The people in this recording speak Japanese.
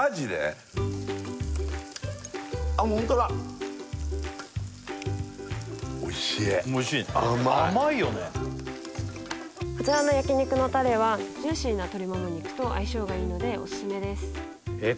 あっホントだおいしいね甘いよねこちらの焼肉のタレはジューシーな鶏もも肉と相性がいいのでおすすめですえっ